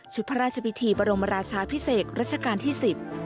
ชุดพระราชบิถีประโลมราชาพิเศษรัชกาลที่๑๐